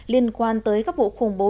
liên quan tới các vụ khủng bố